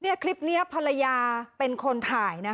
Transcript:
นี่คลิปนี้ภรรยาเป็นคนถ่ายนะ